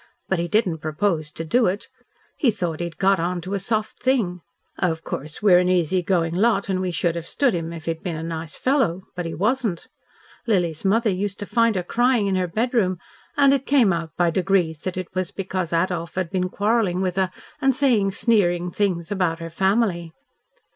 But he didn't propose to do it. He thought he'd got on to a soft thing. Of course we're an easy going lot and we should have stood him if he'd been a nice fellow. But he wasn't. Lily's mother used to find her crying in her bedroom and it came out by degrees that it was because Adolf had been quarrelling with her and saying sneering things about her family.